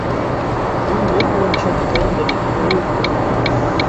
Бул лот боюнча тендер эки жолу өткөрүлгөн.